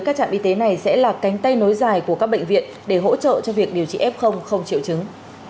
các trạm y tế này sẽ là cánh tay nối dài của các bệnh viện để hỗ trợ cho việc điều trị f không triệu chứng